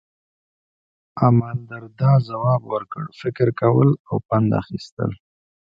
امالدرداء ځواب ورکړ، فکر کول او پند اخیستل.